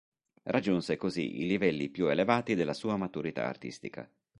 Raggiunse così i livelli più elevati della sua maturità artistica.